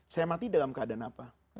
saya mati dalam keadaan apa